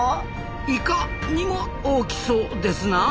イカにも大きそうですなあ。